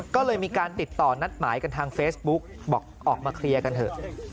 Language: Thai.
ก็เลยมีการติดต่อนัดหมายกันทางเฟซบุ๊กบอกออกมาเคลียร์กันเถอะ